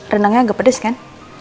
rendangnya agak pedes kan